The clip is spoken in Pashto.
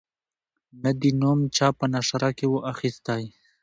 نه دي نوم چا په نشره کی وو اخیستی